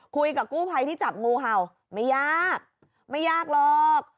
คุยกับกู้ภัยที่จับงูเห่าไม่ยากไม่ยากหรอก